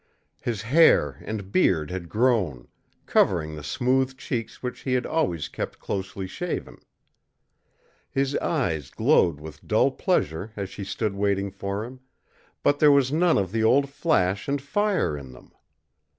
His hair and beard had grown, covering the smooth cheeks which he had always kept closely shaven. His eyes glowed with dull pleasure as she stood waiting for him, but there was none of the old flash and fire in them.